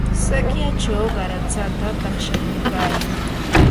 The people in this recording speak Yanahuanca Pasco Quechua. sikyachaw qaratsata taqshakuykayan.